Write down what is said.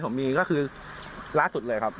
ก็มีทั้งหมด๓คนครับ